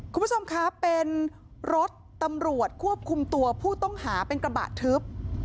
คุณผู้ชมคะเป็นรถตำรวจควบคุมตัวผู้ต้องหาเป็นกระบะทึบ